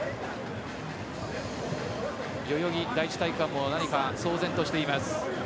代々木第一体育館も何か騒然としています。